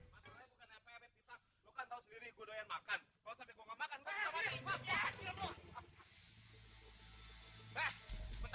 masalahnya bukan apa apa kita